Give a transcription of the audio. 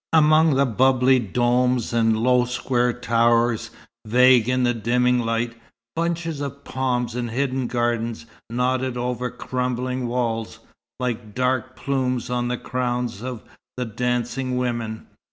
Among the bubbly domes, and low square towers, vague in the dimming light, bunches of palms in hidden gardens nodded over crumbling walls, like dark plumes on the crowns of the dancing women.